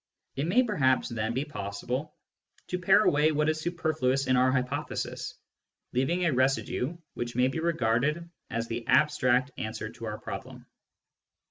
It may perhaps then be possible to pare away what is superfluous in our hypothesis, leaving a residue which may be regarded as the abstract answer to our problem.